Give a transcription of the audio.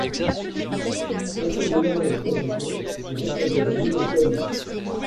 Chacun des membres se rencontrent grâce à des amis en commun.